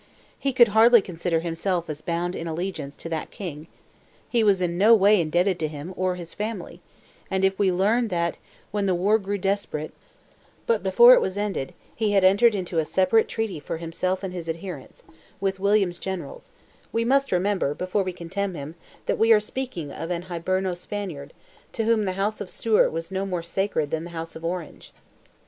He could hardly consider himself as bound in allegiance to that king; he was in no way indebted to him or his family, and if we learn that when the war grew desperate, but before it was ended, he had entered into a separate treaty for himself and his adherents, with William's generals, we must remember, before we condemn him, that we are speaking of an Hiberno Spaniard, to whom the house of Stuart was no more sacred than the house of Orange.